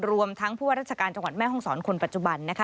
รวมทั้งผู้ว่าราชการจังหวัดแม่ห้องศรคนปัจจุบันนะคะ